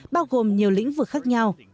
bao gồm nhiều lĩnh vực khác nhau